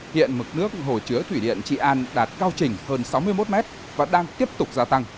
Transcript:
hiện mực nước hồ chứa thủy điện trị an đạt cao trình hơn sáu mươi một mét và đang tiếp tục gia tăng